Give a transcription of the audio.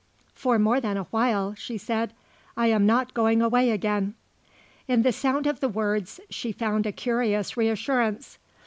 "For more than a while," she said. "I am not going away again." In the sound of the words she found a curious reassurance.